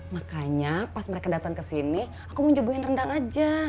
makanya pas mereka dateng kesini aku mau jagain rendang aja